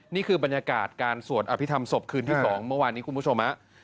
นี่คือบรรยากาศการสวดอภิษฐรรมศพคืนที่๒เมื่อวานนี้คุณผู้ชมฮะ